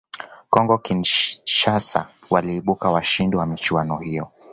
congo Kinshasa waliibuka washindi wa michuano hiyo